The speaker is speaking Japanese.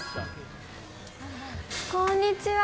こんにちは。